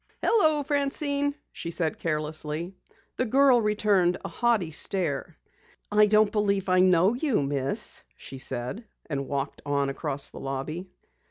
"Hello, Francine," she said carelessly. The girl returned a haughty stare. "I don't believe I know you, Miss," she said, and walked on across the lobby.